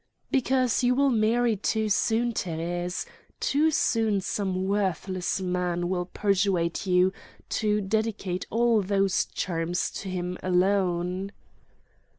"Because you will marry too soon, Thérèse—too soon some worthless man will persuade you to dedicate all those charms to him alone."